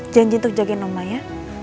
janji untuk jagain oma ya